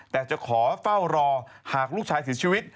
แต่จะขอเฝ้ารอหากลูกชายเสียชีวิต